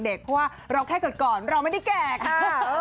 เพราะว่าเราแค่เกิดก่อนเราไม่ได้แก่ค่ะ